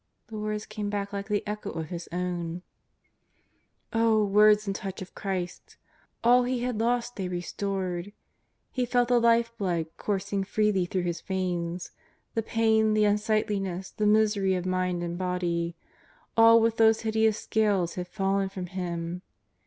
The words came back like the echo of his ovm. Oh, words and touch of Christ ! All he had lost they restored. He felt the life blood coursing freely through his veins. The pain, the unsightliness, the misery of mind and body — all with those hideous scales had fallen from him.